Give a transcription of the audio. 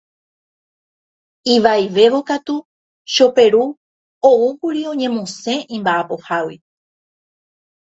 Ivaivévo katu Choperu oúkuri oñemosẽ imba'apohágui.